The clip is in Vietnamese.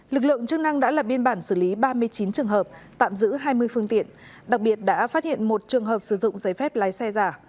lực lượng chức năng đã lập biên bản xử lý ba mươi chín trường hợp tạm giữ hai mươi phương tiện đặc biệt đã phát hiện một trường hợp sử dụng giấy phép lái xe giả